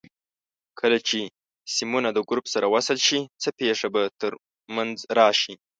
کله چې سیمونه د ګروپ سره وصل شي څه پېښه به تر منځ راشي؟